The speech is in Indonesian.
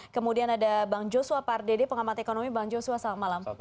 kemudian ada bang joshua pardede pengamat ekonomi bang joshua selamat malam